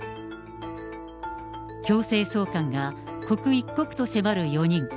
強制送還が刻一刻と迫る４人。